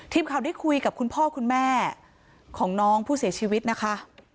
ทีมข่าวได้คุยกับคุณพ่อคุณแม่ของน้องผู้เสียชีวิตนะคะ